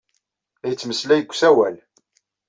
La yettmeslay deg usawal.